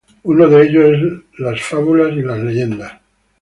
Uno de ellos es las fábulas y las leyendas.